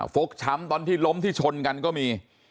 ฟกช้ำตอนที่ล้มที่ชนกันก็มี